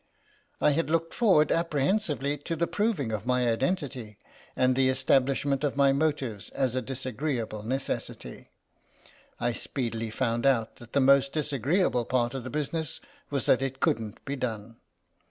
I had looked forward apprehensively to the proving of my identity and the establishment of my motives as a disagreeable necessity; I speedily found out that the most disagree able part of the business was that it couldn't be done.